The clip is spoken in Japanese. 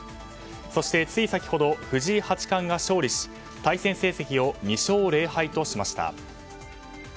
そして、つい先ほど藤井八冠が勝利し対戦成績を２勝０敗としました。